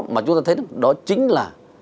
mà chúng ta thấy đó chính là